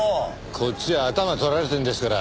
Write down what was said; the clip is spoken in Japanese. こっちはアタマ捕られてんですから。